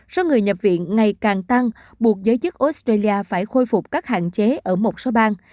số người nhập viện ngày càng tăng buộc giới chức australia phải khôi phục các hạn chế ở một số bang